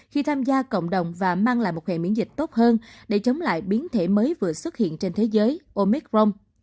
khi tham gia cộng đồng và mang lại một hệ miễn dịch tốt hơn để chống lại biến thể mới vừa xuất hiện trên thế giới omicron